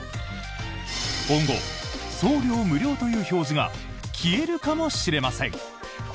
今後、送料無料という表示が消えるかもしれません。